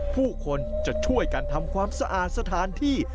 ผู้คนจะช่วยกันทำความสะอาดสถานที่